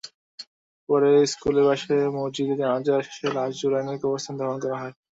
পরে স্কুলের পাশের মসজিদে জানাজা শেষে লাশ জুরাইন কবরস্থানে দাফন করা হয়।